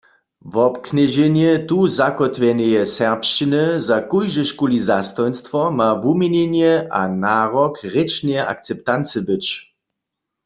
Wobknježenje tu zakótwjeneje serbšćiny za kóždežkuli zastojnstwo ma wuměnjenje a narok rěčneje akceptancy być.